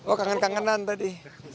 oh kangen kangenan tadi